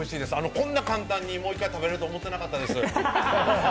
こんな簡単にもう一回食べられると思ってなかったです。